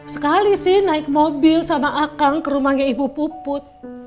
sekali sih naik mobil sama akang ke rumahnya ibu puput